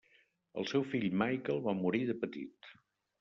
El seu fill Michael va morir de petit.